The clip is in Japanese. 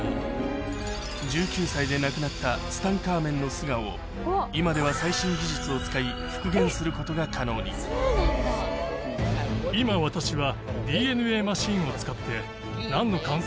１９歳で亡くなったツタンカーメンの素顔を今ではすることが可能に今私は。